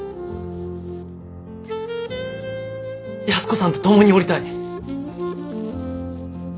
安子さんと共におりたい。